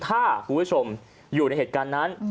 ถ้าคุณผู้ชมอยู่ในเหตุการณ์นั้น